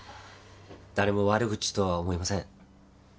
誰も悪口とは思いません。